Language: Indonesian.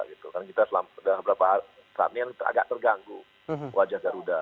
karena kita dalam beberapa saat ini agak terganggu wajah garuda